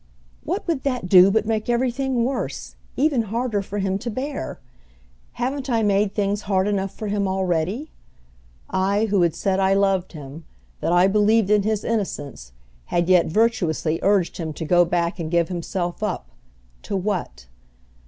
"What would that do but make everything worse, even harder for him to bear? Haven't I made things hard enough for him already?" I who had said I loved him, that I believed in his innocence, had yet virtuously urged him to go back and give himself up to what?